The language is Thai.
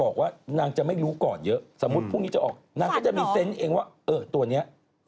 ๒๐๐กว่านี้